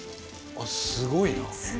あっすごいな。